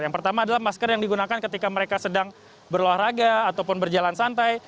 yang pertama adalah masker yang digunakan ketika mereka sedang berolahraga ataupun berjalan santai